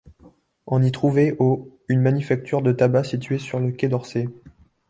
On y trouvait au une manufacture de tabac, située sur le quai d'Orsay.